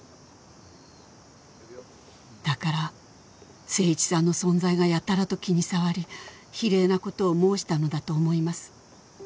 「だから誠一さんの存在がやたらと気に障り非礼なことを申したのだと思います」